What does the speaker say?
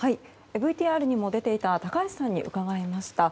ＶＴＲにも出ていた高橋さんに伺いました。